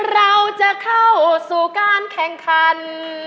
เราจะเข้าสู่การแข่งขัน